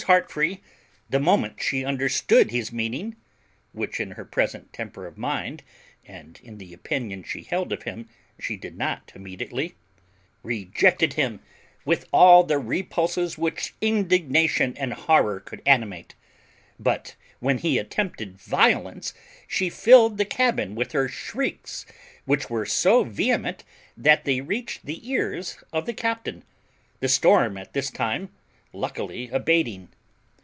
Heartfree, the moment she understood his meaning, which, in her present temper of mind, and in the opinion she held of him, she did not immediately, rejected him with all the repulses which indignation and horror could animate: but when he attempted violence she filled the cabin with her shrieks, which were so vehement that they reached the ears of the captain, the storm at this time luckily abating.